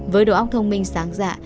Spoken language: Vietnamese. với đầu óc thông minh sáng dạ